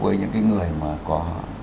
với những cái người mà có